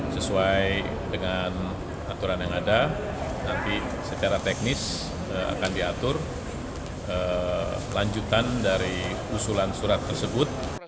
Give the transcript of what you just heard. sesuai dengan aturan yang ada nanti secara teknis akan diatur lanjutan dari usulan surat tersebut